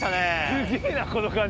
すげぇなこの感じ。